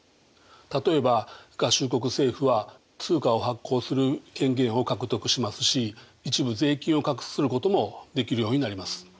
例えば合衆国政府は通貨を発行する権限を獲得しますし一部税金を課すこともできるようになります。